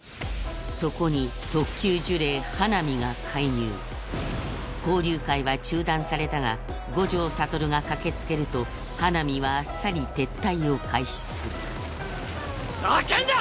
そこに特級呪霊花御が介入交流会は中断されたが五条悟が駆けつけると花御はあっさり撤退を開始するざけんな！